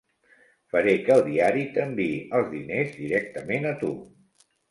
Faré que el diari t'enviï els diners directament a tu.